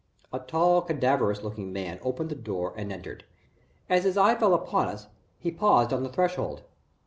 A tall cadaverous looking man opened the door and entered. As his eye fell upon us, he paused on the threshold.